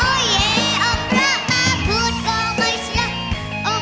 โอ้เย้อมระมาพูดก็ไม่เชื่อ